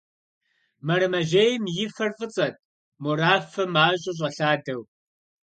Мэрэмэжьейм и фэр фӀыцӀэт, морафэ мащӀэ щӀэлъадэу.